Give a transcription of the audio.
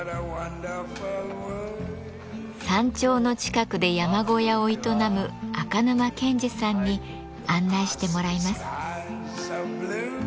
山頂の近くで山小屋を営む赤沼健至さんに案内してもらいます。